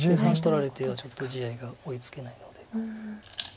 ３子取られてはちょっと地合いが追いつけないので。